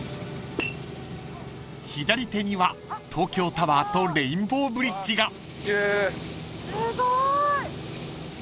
［左手には東京タワーとレインボーブリッジが］